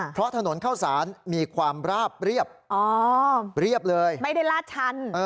เพราะถนนเข้าสารมีความราบเรียบเรียบเลยไม่ได้ลาดชัน